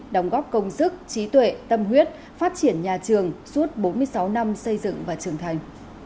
đóng góp công sức trí tuệ tâm huyết phát triển nhà trường suốt bốn mươi sáu năm xây dựng và trưởng thành